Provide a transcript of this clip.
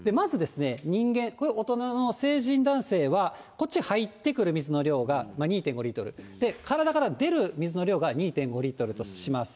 まずですね、人間、これ、大人の成人男性は、こっち入ってくる水の量が２．５リットル、体から出る水の量が２．５リットルとします。